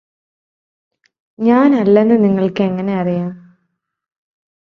ഞാനല്ലെന്നു നിങ്ങള്ക്ക് എങ്ങനെ അറിയാം